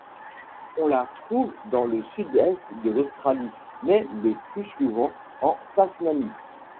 On la trouve dans le sud-est de l'Australie, mais le plus souvent en Tasmanie.